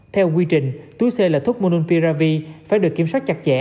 theo quy trình túi c là thuốc monompiravi phải được kiểm soát chặt chẽ